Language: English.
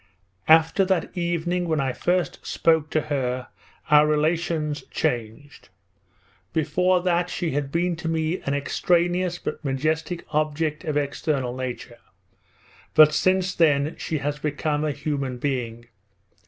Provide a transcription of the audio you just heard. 'After that evening when I first spoke to her our relations changed. Before that she had been to me an extraneous but majestic object of external nature: but since then she has become a human being.